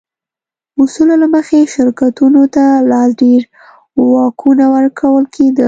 اصولو له مخې شرکتونو ته لا ډېر واکونه ورکول کېده.